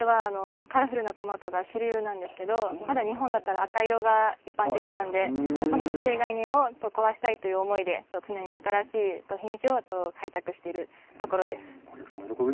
海外ではカラフルなトマトが主流なんですけど日本では赤色が一般的なので固定概念を壊したいという思いで常に新しい品種のトマトを開拓しているところです。